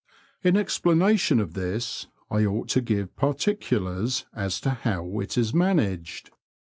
In explanation of this, I ought to give particulars as to how it is managed.